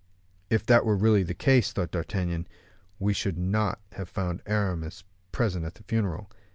"If that were really the case," thought D'Artagnan, "we should not have found Aramis present at his funeral.